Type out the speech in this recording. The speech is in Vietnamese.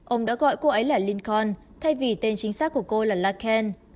ông đã gọi cô ấy là lincoln thay vì tên chính xác của cô là larkin